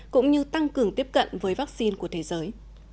cũng như tăng cường tiếp cận với vaccine của thế giới